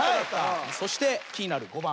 そして気になる５番。